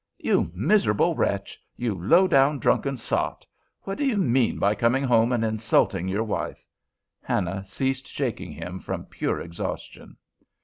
"You miserable wretch! you low down drunken sot! what do you mean by coming home and insulting your wife?" Hannah ceased shaking him from pure exhaustion.